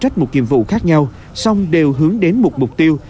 trách một nhiệm vụ khác nhau song đều hướng đến một mục tiêu